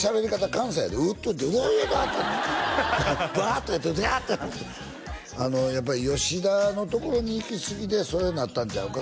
関西やで「おっと」って「うわうわ」とかってバーッと出てビヤーッとなってやっぱり吉田のところに行きすぎでそれになったんちゃうか？